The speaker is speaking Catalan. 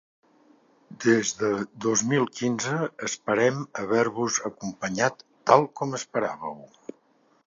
Des de dos mil quinze esperem haver-vos acompanyat tal com esperàveu.